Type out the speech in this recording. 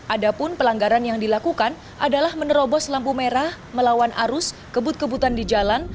adapun pelanggaran yang dilakukan adalah menerobos lampu merah melawan arus kebut kebutan di jalan